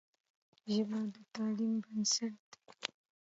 ژبه د تعلیم بنسټ دی.